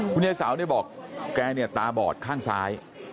คุณแน็ตสาวจะบอกแกตาบอดข้างซ้าย